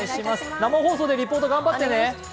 生放送でリポート頑張ってね。